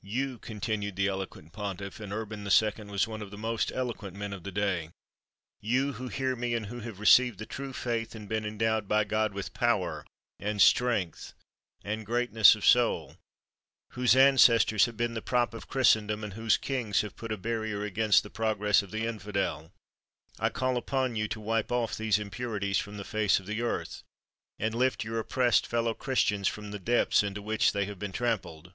"You," continued the eloquent pontiff (and Urban II. was one of the most eloquent men of the day), "you, who hear me, and who have received the true faith, and been endowed by God with power, and strength, and greatness of soul, whose ancestors have been the prop of Christendom, and whose kings have put a barrier against the progress of the infidel, I call upon you to wipe off these impurities from the face of the earth, and lift your oppressed fellow Christians from the depths into which they have been trampled.